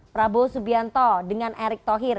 prabowo subianto dengan erick thohir